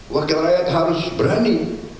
wakil rakyat harus berani